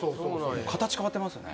形変わってますよね